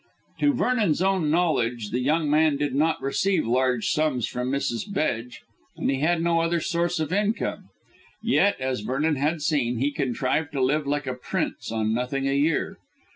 To Vernon's own knowledge, the young man did not receive large sums from Mrs. Bedge, and he had no other source of income. Yet, as Vernon had seen, he contrived to live like a prince on nothing a year.